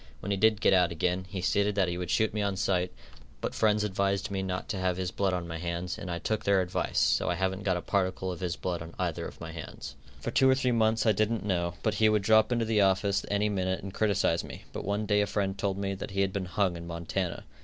When he did get out again, he stated that he would shoot me on sight, but friends advised me not to have his blood on my hands, and I took their advice, so I haven't got a particle of his blood on either of my hands. For two or three months I didn't know but he would drop into the office any minute and criticise me, but one day a friend told me that he had been hung in Montana.